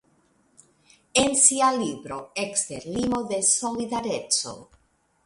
En sia libro "Ekster limo de solidareco.